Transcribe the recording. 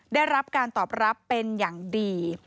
ได้รับการตอบรับเป็นอย่างดี